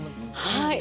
はい。